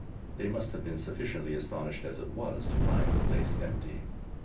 They must have been sufficiently astonished as it was to find the place empty.